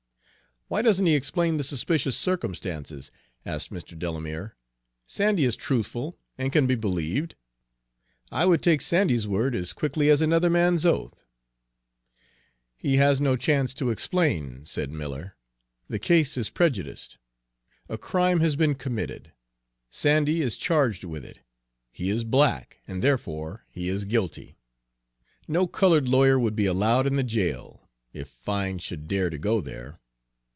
"Why doesn't he explain the suspicious circumstances?" asked Mr. Delamere. "Sandy is truthful and can be believed. I would take Sandy's word as quickly as another man's oath." "He has no chance to explain," said Miller. "The case is prejudged. A crime has been committed. Sandy is charged with it. He is black, and therefore he is guilty. No colored lawyer would be allowed in the jail, if one should dare to go there.